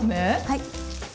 はい。